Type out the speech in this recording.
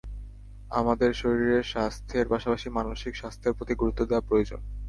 আমাদের শরীরের স্বাস্থ্যের পাশাপাশি মানসিক স্বাস্থ্যের প্রতি গুরুত্ব দেয়া প্রয়োজন।